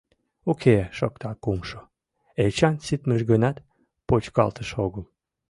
— Уке, — шокта кумшо, — Эчан, ситмыж гынат, почкалтыш огыл...